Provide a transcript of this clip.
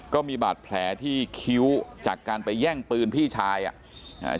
ก็มีบาดแผลที่คิ้วจากการไปแย่งปืนพี่ชายอ่ะอ่า